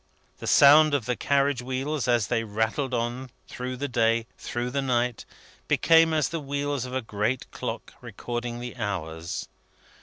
The sound of the carriage wheels, as they rattled on, through the day, through the night, became as the wheels of a great clock, recording the hours.